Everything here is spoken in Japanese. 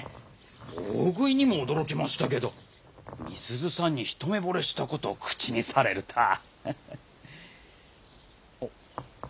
大食いにも驚きましたけど美鈴さんに一目ぼれしたことを口にされるとは。